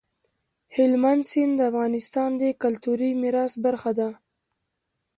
هلمند سیند د افغانستان د کلتوري میراث برخه ده.